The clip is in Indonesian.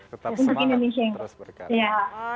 tetap semangat terus berkarya